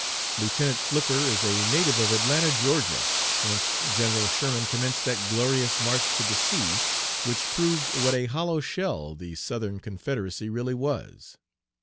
Lieutenant Flipper is a native of Atlanta, Georgia, whence General Sherman commenced that glorious march to the sea which proved what a hollow shell the Southern Confederacy really was.